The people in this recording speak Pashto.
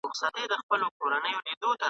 ارغوان به غوړېدلی پر کابل وي !.